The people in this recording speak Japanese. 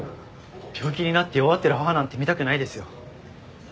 病気になって弱ってる母なんて見たくないですよ。